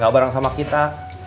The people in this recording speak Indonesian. gak bareng sama kita